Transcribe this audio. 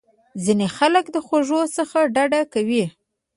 ځینې خلک د خوږو څخه ډډه کوي.